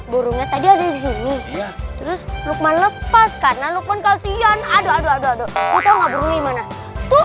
desainnya tadi ada disini lukman lepas karena americans sian aduk aduk black